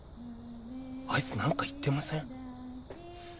あいつ何か言ってません？